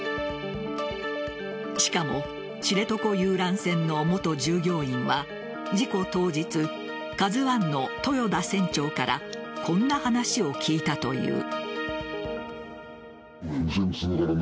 しかも、知床遊覧船の元従業員は事故当日「ＫＡＺＵ１」の豊田船長からこんな話を聞いたという。